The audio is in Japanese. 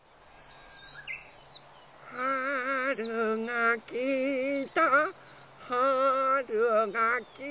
「はるがきたはるがきた」